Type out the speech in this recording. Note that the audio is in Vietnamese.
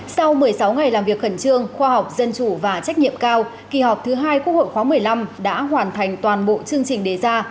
sau một mươi sáu ngày làm việc khẩn trương khoa học dân chủ và trách nhiệm cao kỳ họp thứ hai quốc hội khóa một mươi năm đã hoàn thành toàn bộ chương trình đề ra